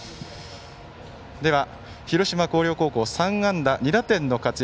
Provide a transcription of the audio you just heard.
では、広島・広陵高校３安打２打点の活躍